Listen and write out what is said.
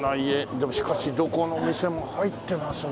でもしかしどこのお店も入ってますね。